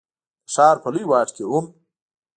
د ښار په لوی واټ کي هم،